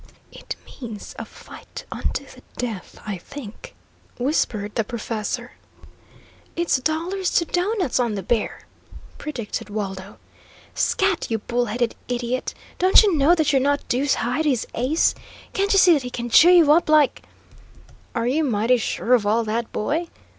"It means a fight unto the death, I think," whispered the professor. "It's dollars to doughnuts on the bear," predicted Waldo. "Scat, you bull headed idiot! Don't you know that you're not deuce high to his ace? Can't you see that he can chew you up like " "Are you mighty sure of all that, boy?"